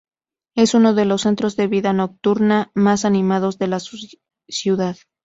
Es uno de los centros de vida nocturna más animados de la ciudad.